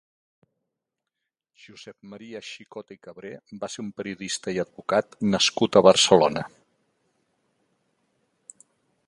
Josep Maria Xicota i Cabré va ser un periodista i advocat nascut a Barcelona.